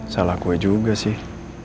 salah gue juga sih